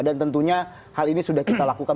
dan tentunya hal ini sudah kita lakukan